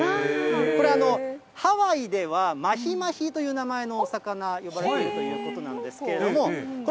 これ、ハワイではマヒマヒという名前のお魚、呼ばれているということなんですけれども、これ、